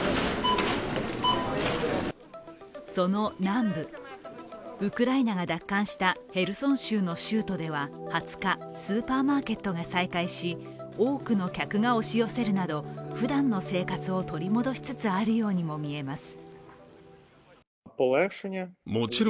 その南部、ウクライナが奪還したヘルソン州の州都では２０日、スーパーマーケットが再開し多くの客が押し寄せるなどふだんの生活を取り戻しつつあるようにも見えます。